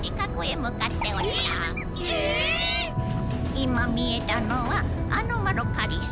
今見えたのはアノマロカリス。